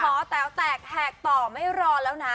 อแต๋วแตกแหกต่อไม่รอแล้วนะ